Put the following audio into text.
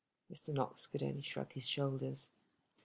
Mr. Knox could only shrug his shoulders.